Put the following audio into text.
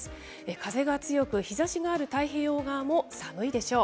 風が強く、日ざしがある太平洋側も寒いでしょう。